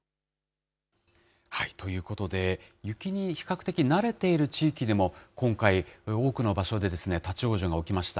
ということで、雪に比較的慣れている地域でも、今回、多くの場所で立往生が起きました。